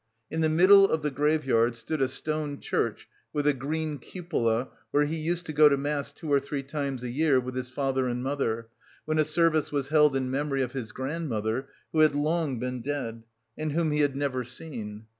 In the middle of the graveyard stood a stone church with a green cupola where he used to go to mass two or three times a year with his father and mother, when a service was held in memory of his grandmother, who had long been dead, and whom he had never seen.